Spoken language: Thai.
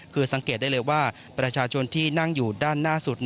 คือสังเกตได้เลยว่าประชาชนที่นั่งอยู่ด้านหน้าสุด